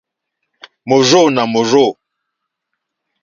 Mòrzô nà mòrzô.